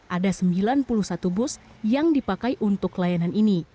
ada sembilan puluh satu bus yang dipakai untuk layanan ini